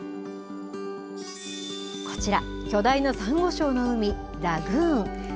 こちら、巨大なサンゴ礁の海、ラグーン。